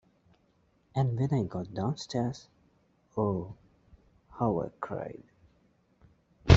And when I got downstairs, oh, how I cried!